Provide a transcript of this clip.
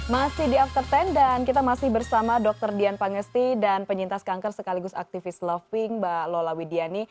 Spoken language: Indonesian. masih di after sepuluh dan kita masih bersama dr dian pangesti dan penyintas kanker sekaligus aktivis love pink mbak lola widiani